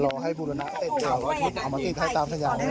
รอให้แล้วถึงเอามาติดให้ตามสยะซึ่งไหนนะ